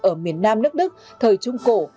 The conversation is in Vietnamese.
ở miền nam nước đức thời trung quốc